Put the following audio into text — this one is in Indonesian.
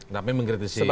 tapi mengkritisi pak arief